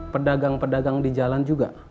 pedagang pedagang di jalan juga